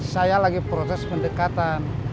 saya lagi proses pendekatan